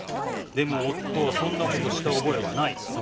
でも夫はそんな事した覚えはないと。